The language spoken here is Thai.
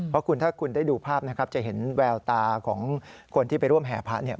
เพราะกุณธุ์ถ้าได้ดูภาพจะเห็นแววตาของคนที่ไปร่วมแห่พระเนี่ย